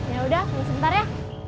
ya udah sebentar ya